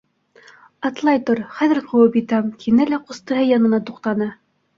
Атлай тор, хәҙер ҡыуып етәм, — тине лә ҡустыһы янына туҡтаны.